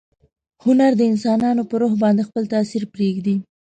هنر د انسانانو په روح باندې خپل تاثیر پریږدي.